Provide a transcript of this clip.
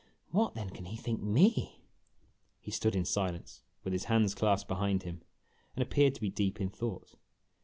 "What then can he think me?" He stood in silence, with his hands clasped behind him, and appeared to be deep in thought.